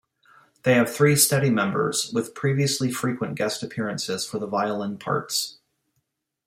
They have three steady members with previously frequent guest appearances for the violin parts.